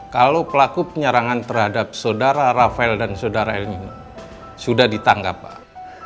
kalau pelaku penyerangan terhadap saudara rafael dan saudara el nino sudah ditangkap pak